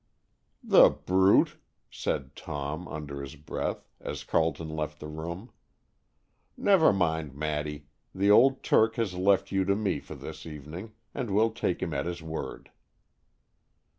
"The brute!" said Tom, under his breath, as Carleton left the room. "Never mind, Maddy, the old Turk has left you to me for this evening, and we'll take him at his word."